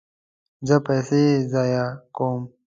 زه پیسې ضایع کوم